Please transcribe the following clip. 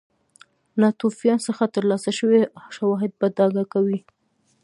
ناتوفیان څخه ترلاسه شوي شواهد په ډاګه کوي.